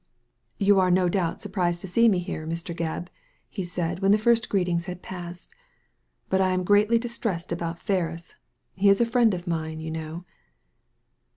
"You are no doubt surprised to see me here, Mr. Gebb/' he said, when the first greetings had passed, " but I am greatly disturbed about Ferris, He is a friend of mine, you know."